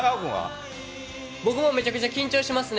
僕もめちゃくちゃ緊張してますね。